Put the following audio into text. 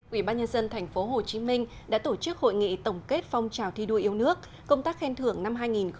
ủy ban nhân dân tp hcm đã tổ chức hội nghị tổng kết phong trào thi đua yêu nước công tác khen thưởng năm hai nghìn một mươi chín